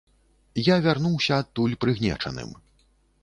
Я вярнуўся адтуль прыгнечаным.